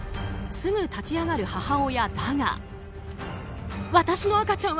すぐ立ち上がる母親だが。